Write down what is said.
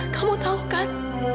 kamu tahu kan